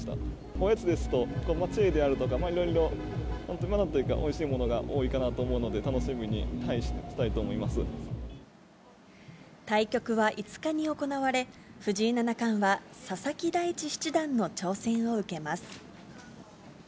おやつですと、チェーとか、いろいろ本当においしいものが多いかなと思うので、対局は５日に行われ、藤井七冠は佐々木大地七段の挑戦を受けます。